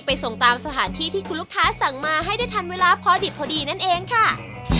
ส่งตามสถานที่ที่คุณลูกค้าสั่งมาให้ได้ทันเวลาพอดิบพอดีนั่นเองค่ะ